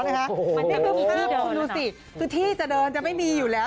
อันนี้คือภาพคุณดูสิคือที่จะเดินจะไม่มีอยู่แล้ว